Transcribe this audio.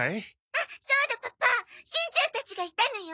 あっそうだパパしんちゃんたちがいたのよ！